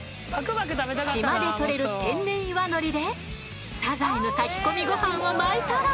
島で獲れる天然岩海苔でサザエの炊き込みゴハンを巻いたら。